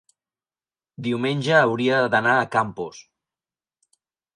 Diumenge hauria d'anar a Campos.